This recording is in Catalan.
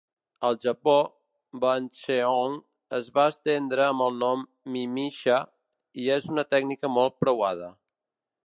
Al Japó, "Buncheong" es va estendre amb el nom "Mimisha" i és una tècnica molt preuada.